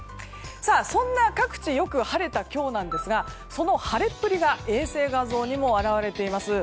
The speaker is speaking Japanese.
そんな各地よく晴れた今日ですがその晴れっぷりが衛星画像にも表れています。